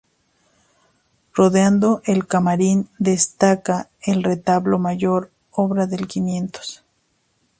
Rodeando el camarín destaca el retablo mayor, obra del quinientos.